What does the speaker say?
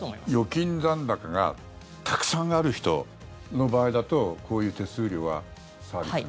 預金残高がたくさんある人の場合だとこういう手数料はサービスの。